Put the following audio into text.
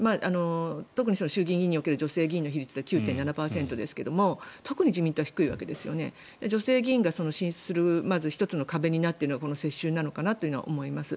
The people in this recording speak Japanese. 特に衆議院議員における女性議員の比率は９．７％ですが特に自民党は低くて女性議員が進出するまず１つの壁になっているのはこの世襲なのかなというのは思います。